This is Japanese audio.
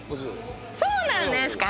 そうなんですか！？